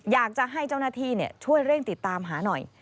อยากจะให้เจ้าหน้าที่ช่วยเร่งติดตามหาหน่อย